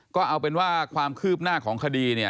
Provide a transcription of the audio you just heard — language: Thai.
ก็เอาเป็นว่าความคืบหน้าของคดีเนี่ย